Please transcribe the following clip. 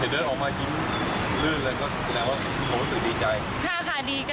เดินออกมายิ้มลื่นเลยก็แสดงว่ารู้สึกดีใจ